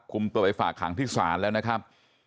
คุมตัวไปฝากหางที่ศาลแล้วนะครับ